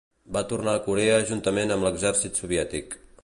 Va tornar a Corea juntament amb l'exèrcit soviètic.